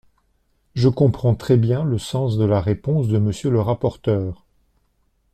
Je comprends très bien le sens de la réponse de Monsieur le rapporteur.